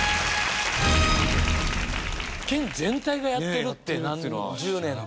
県全体がやってるって何十年と。